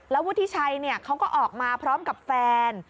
วุฒิชัยเขาก็ออกมาพร้อมกับแฟน